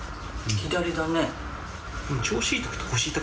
左だね。